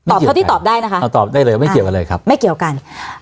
ตอบเท่าที่ตอบได้นะคะไม่เกี่ยวกัน